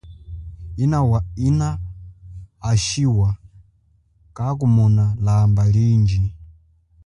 Ana ashiwa kakumona lamba lindji.